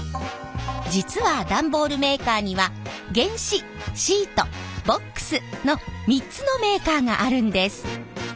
実は段ボールメーカーには原紙シートボックスの３つのメーカーがあるんです。